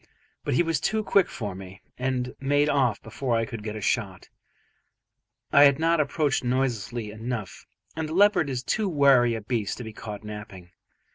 But he was too quick for me, and made off before I could get a shot; I had not approached noiselessly enough, and a leopard is too wary a beast to be caught napping.